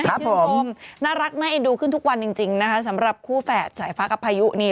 ครับผมน่ารักไหมดูขึ้นทุกวันจริงนะฮะสำหรับคู่แฝดสายฟ้ากับพายุนี่